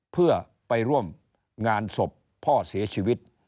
เพื่อไปร่วมงานศพพ่อเสียชีวิต